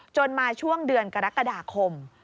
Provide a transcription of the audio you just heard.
มาช่วงเดือนกรกฎาคม